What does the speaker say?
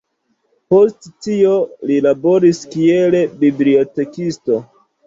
Post tio li laboris kiel bibliotekisto.